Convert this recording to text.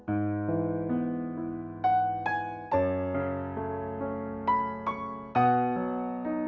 aku lihat ke traumatik ini